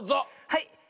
はい。